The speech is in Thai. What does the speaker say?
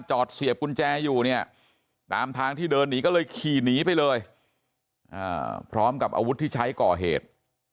เสียบกุญแจอยู่เนี่ยตามทางที่เดินหนีก็เลยขี่หนีไปเลยพร้อมกับอาวุธที่ใช้ก่อเหตุ